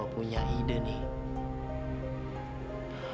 ah gua punya ide nih